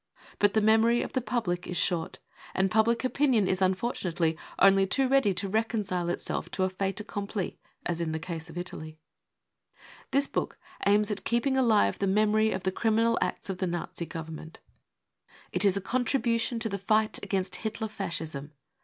But the 1 memory of the public is short, and public opinion is un fortunately only too ready to reconcile itself to a fait m accofnpli 9 as in the case of Italy. This book aims at keeping alive the memory of the criminal acts of the Nazi Government. It is a contribution # 10 FOREWORD ' to the fight against Hitler Fascism.